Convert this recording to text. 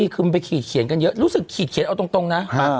คือมันไปขีดเขียนกันเยอะรู้สึกขีดเขียนเอาตรงนะ